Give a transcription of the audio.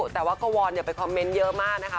แต่ว่ากะวอนไปคอมเมนต์เยอะมากนะคะ